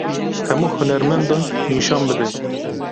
Hemû hunermendan nîşan bide.